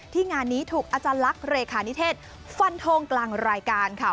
งานนี้ถูกอาจารย์ลักษณ์เลขานิเทศฟันทงกลางรายการค่ะ